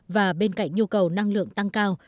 và bên cạnh nhu cầu năng lượng tăng cao